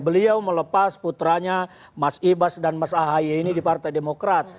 beliau melepas putranya mas ibas dan mas ahaye ini di partai demokrat